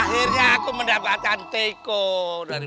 akhirnya aku mendapatkan teko